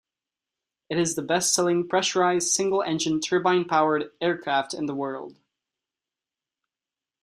It is the best-selling pressurized, single-engine, turbine-powered aircraft in the world.